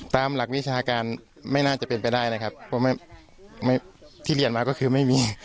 ตามหลักวิชาการไม่น่าจะเป็นไปได้นะครับเพราะที่เรียนมาก็คือไม่มี